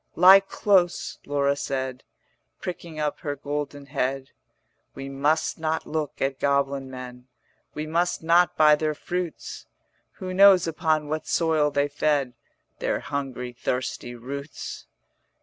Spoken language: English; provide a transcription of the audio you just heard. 'Lie close,' Laura said, 40 Pricking up her golden head: 'We must not look at goblin men, We must not buy their fruits: Who knows upon what soil they fed Their hungry thirsty roots?'